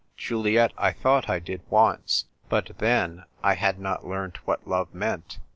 "" Juliet, I thought I did once. But then, I had not learnt what love meant.